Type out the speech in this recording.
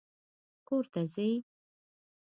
کور ته ځي